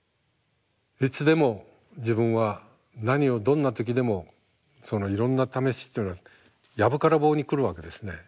いつでも自分は何をどんな時でもそのいろんな試しっていうのは藪から棒に来るわけですね。